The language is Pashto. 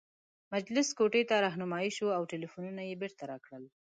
مجلس کوټې ته رهنمايي شوو او ټلفونونه یې بیرته راکړل.